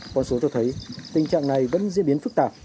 con số cho thấy tình trạng này vẫn diễn biến phức tạp